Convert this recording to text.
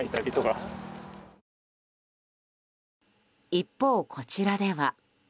一方、こちらでは。